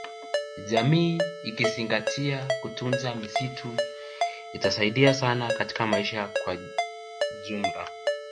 Jamii ikizingatia kutunza misitu itasaidia sana katika maisha kwa ujumla